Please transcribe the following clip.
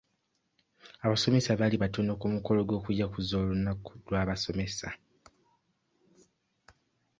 Abasomesa baali batono ku mukolo gw'okujaguza olunaku lw'abasomesa.